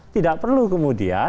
tidak perlu kemudian